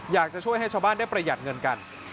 อยากจะช่วยให้ชาวบ้านได้ประหยัดเงินกัน